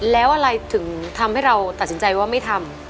แล้วอะไรถึงทำให้เราตัดสินใจว่าไม่ทำ